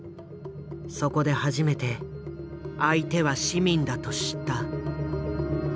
そこで初めて相手は市民だと知った。